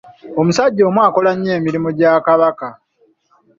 Omusajja omu akola nnyo emirimu gya Kabaka.